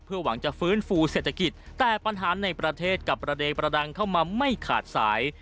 หวังจะฟื้นฟูเศรษฐกิจแต่ปัญหาในประเทศกลับประเด็นประดังเข้ามาไม่ขาดสาย